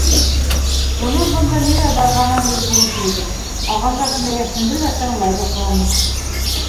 Уның бында нимә барғанын белгеһе килде, —ағас артына йәшенде лә тыңлай башланы.